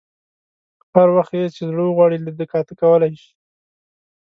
هر وخت یې چې زړه وغواړي لیده کاته کولای شي.